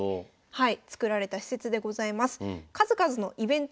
はい。